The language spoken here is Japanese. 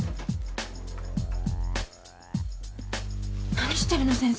何してるの先生？